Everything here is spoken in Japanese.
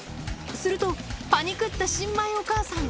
すると、パニクった新米お母さん。